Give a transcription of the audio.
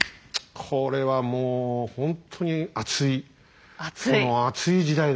これはもうほんとに熱いこの熱い時代だよね。